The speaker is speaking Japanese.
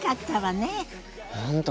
本当